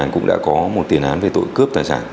cũng đã có một tiền án về tội cướp tài sản